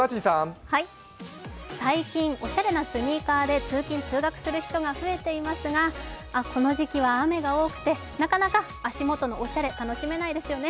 最近オシャレなスニーカーで通勤・通学する人が増えていますがあっ、この時期は雨が多くてなかなか足元のおしゃれ楽しめないですよね。